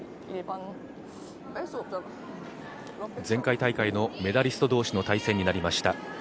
前回大会のメダリスト同士の対戦になりました。